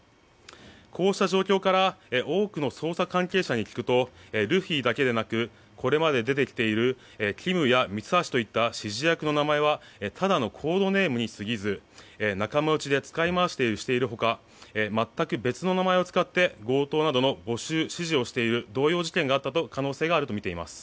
こうした状況から多くの捜査関係者に聞くとルフィだけでなくこれまでに出てきているキムやミツハシといった指示役の名前はただのコードネームに過ぎず仲間内で使い回している他全く別の名前を使って強盗などの募集、指示をしている同様事件があった可能性があるとみています。